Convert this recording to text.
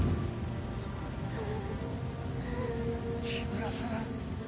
緋村さん。